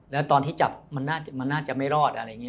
แล้วตอนที่จับมันน่าจะไม่รอดอะไรอย่างนี้